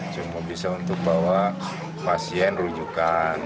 cuma bisa untuk bawa pasien rujukan